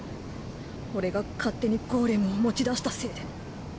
俺が勝手にゴーレムを持ち出したせいで。